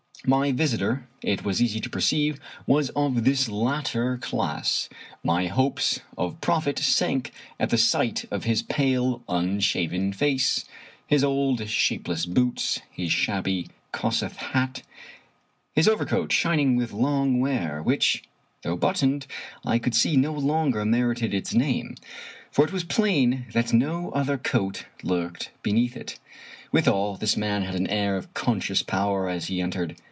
My visitor, it was easy to perceive, was of this latter class. My hopes of profit sank at the sight of his pale, unshaven face, his old, shapeless boots, his shabby Kossuth hat, his overcoat shining with long wear, which, 28 Fitzjames 0*Brien though buttoned, I could see no longer merited its name, for it was plain that no other coat lurked be neath it. Withal, this man had an air of conscious power as he entered.